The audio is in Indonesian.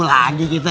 mas yang jelas dimana